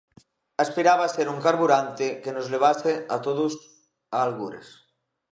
Aspiraba a ser un carburante que nos levase a todos a algures.